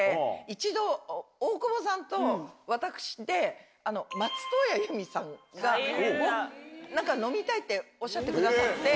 一度大久保さんと私で松任谷由実さんが。っておっしゃってくださって。